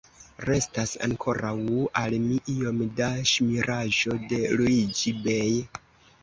Restas ankoraŭ al mi iom da ŝmiraĵo de Luiĝi-bej.